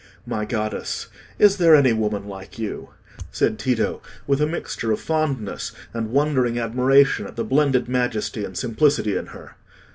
"My goddess! is there any woman like you?" said Tito, with a mixture of fondness and wondering admiration at the blended majesty and simplicity in her.